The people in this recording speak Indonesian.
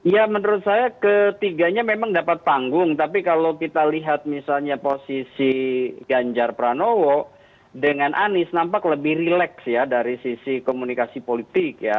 ya menurut saya ketiganya memang dapat panggung tapi kalau kita lihat misalnya posisi ganjar pranowo dengan anies nampak lebih rileks ya dari sisi komunikasi politik ya